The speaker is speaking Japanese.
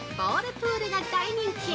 プールが大人気！